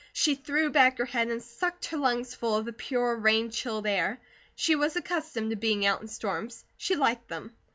She threw back her head and sucked her lungs full of the pure, rain chilled air. She was accustomed to being out in storms, she liked them.